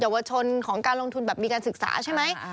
วชนของการลงทุนแบบมีการศึกษาใช่ไหม